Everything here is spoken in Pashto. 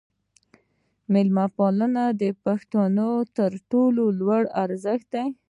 میلمه پالنه د پښتنو تر ټولو لوی ارزښت دی.